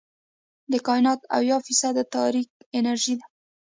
د کائنات اويا فیصده تاریک انرژي ده.